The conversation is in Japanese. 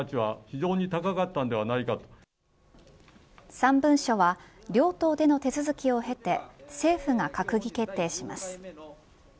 ３文書は両党での手続きを経て政府が閣議決定します。